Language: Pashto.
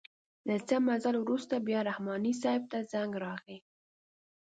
له څه مزل وروسته بیا رحماني صیب ته زنګ راغئ.